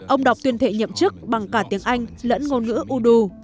ông đọc tuyên thệ nhậm chức bằng cả tiếng anh lẫn ngôn ngữ udu